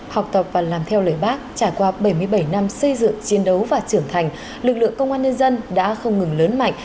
học tập và làm theo lời bác trải qua bảy mươi bảy năm xây dựng chiến đấu và trưởng thành lực lượng công an nhân dân đã không ngừng lớn mạnh